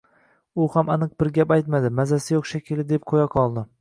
U ham aniq bir gap aytmadi, mazasi yoʻq, shekilli, deb qoʻya qoldi.